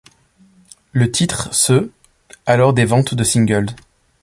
Le titre se alors des ventes de singles.